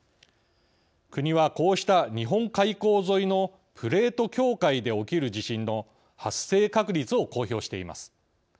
国は、こうした日本海溝沿いのプレート境界で起きる地震の発生確率を公表しています。